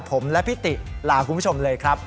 ผมและพี่ติลาคุณผู้ชมเลยครับ